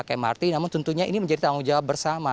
mrt namun tentunya ini menjadi tanggung jawab bersama